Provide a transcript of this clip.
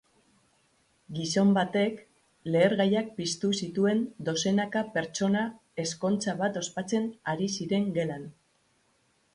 Gizon batek lehergaiak piztu zituen dozenaka pertsona ezkontza bat ospatzen ari ziren gelan.